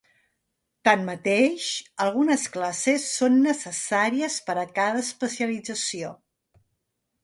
Tanmateix, algunes classes són necessàries per a cada especialització.